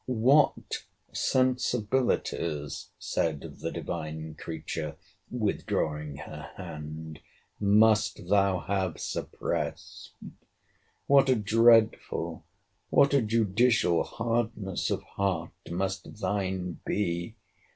What sensibilities, said the divine creature, withdrawing her hand, must thou have suppressed! What a dreadful, what a judicial hardness of heart must thine be!